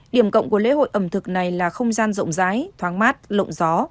điểm cộng của lễ hội ẩm thực này là không gian rộng rái thoáng mát lộng gió